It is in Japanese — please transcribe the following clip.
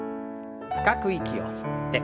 深く息を吸って。